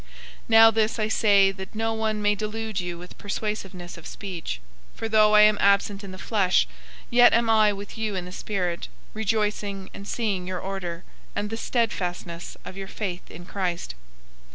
002:004 Now this I say that no one may delude you with persuasiveness of speech. 002:005 For though I am absent in the flesh, yet am I with you in the spirit, rejoicing and seeing your order, and the steadfastness of your faith in Christ.